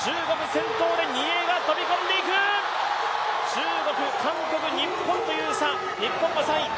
中国、韓国、日本という差、日本は３位。